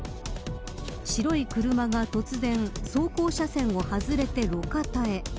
白い車が突然走行車線を外れて路肩へ。